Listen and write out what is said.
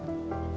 aku bisa sembuh